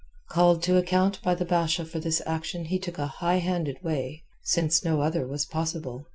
Called to account by the Basha for this action he took a high handed way, since no other was possible.